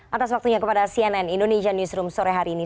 lantas waktunya kepada cnn indonesian newsroom sore hari ini